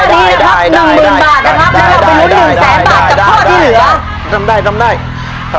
สี่ถุงภายในเวลาสามนาทีนะครับ